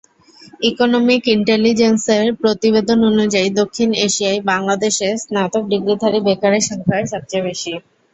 Economic ইন্টেলিজেন্সের প্রতিবেদন অনুযায়ী, দক্ষিণ এশিয়ায় বাংলাদেশে স্নাতক ডিগ্রিধারী বেকারের সংখ্যা সবচেয়ে বেশি।